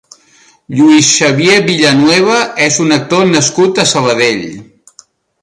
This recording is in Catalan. Lluís Xavier Villanueva és un actor nascut a Sabadell.